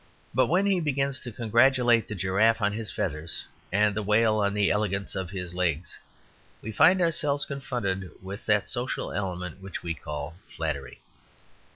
But when he begins to congratulate the giraffe on his feathers, and the whale on the elegance of his legs, we find ourselves confronted with that social element which we call flattery.